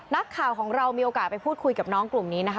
นักข่าวของเรามีโอกาสไปพูดคุยกับน้องกลุ่มนี้นะคะ